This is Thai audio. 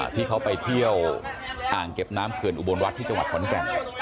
ที่เขาไปเที่ยวอ่างเก็บน้ำเขื่อนอุบลวัดที่จังหวัดขอนแก่น